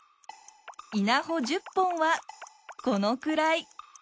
稲穂１０本はこのくらい。